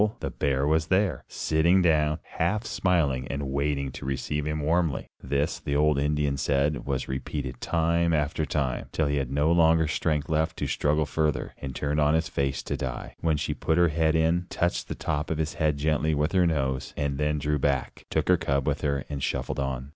the bear was there, sitting down, half smiling, and waiting to receive him warmly. This, the old Indian said, was repeated time after time, till he had no longer strength left to struggle further, and turned on his face to die, when she put her head in, touched the top of his head gently with her nose and then drew back, took her cub with her and shuffled on.